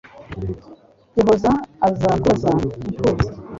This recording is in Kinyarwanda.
Gihoza aza kubaza imfubyi